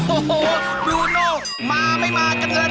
โอ้โหบลูโน่มาไม่มากันเลย